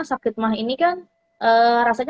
sakit mah ini kan rasanya